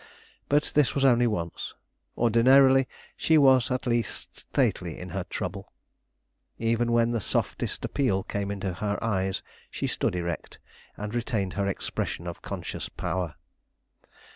But this was only once. Ordinarily she was at least stately in her trouble. Even when the softest appeal came into her eyes she stood erect, and retained her expression of conscious power.